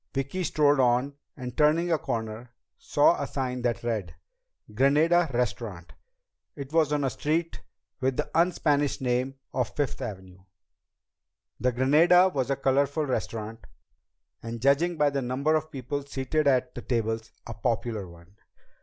Vicki strolled on, and turning a corner, saw a sign that read: GRANADA RESTAURANT. It was on a street with the un Spanish name of Fifth Avenue. The Granada was a colorful restaurant, and judging by the number of people seated at the tables, a popular one.